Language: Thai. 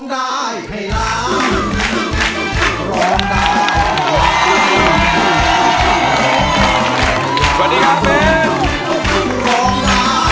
สวัสดีครับเบนส์